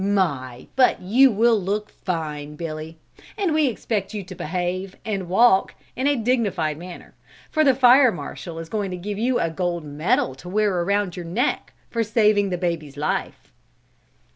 My! but you will look fine, Billy. And we expect you to behave and walk in a dignified manner, for the Fire Marshal is going to give you a gold medal to wear round your neck for saving the baby's life."